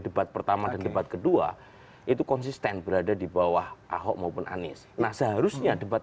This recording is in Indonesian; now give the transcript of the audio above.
debat pertama dan debat kedua itu konsisten berada di bawah ahok maupun anies nah seharusnya debat